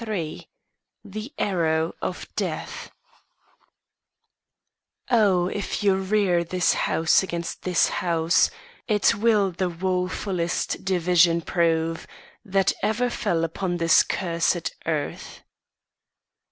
XXXIII THE ARROW OF DEATH O if you rear this house against this house, It will the wofulest division prove That ever fell upon this cursed earth.